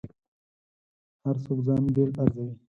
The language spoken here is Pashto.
هر څوک ځان بېل ارزوي.